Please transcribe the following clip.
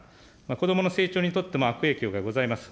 子どもの成長にとっても悪影響がございます。